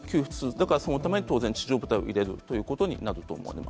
だからそのために当然、地上部隊を入れるということになると思います。